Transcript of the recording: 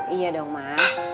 iya dong mak